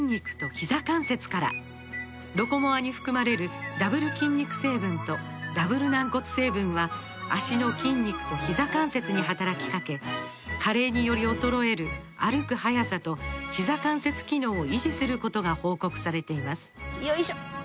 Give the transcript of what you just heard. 「ロコモア」に含まれるダブル筋肉成分とダブル軟骨成分は脚の筋肉とひざ関節に働きかけ加齢により衰える歩く速さとひざ関節機能を維持することが報告されていますよいしょっ！